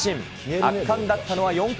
圧巻だったのは４回。